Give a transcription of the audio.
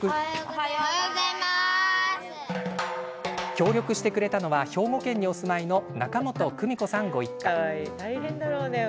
協力してくれたのは兵庫県にお住まいの中本久美子さん、ご一家。